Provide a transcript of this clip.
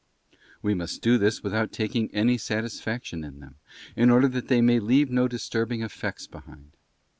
We must do this without taking any satisfaction in them, in order that they may leave no disturbing effects THE WORSHIP OF IMAGES. 239 behind.